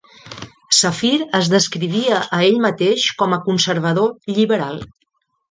Safire es descrivia a ell mateix com a conservador lliberal.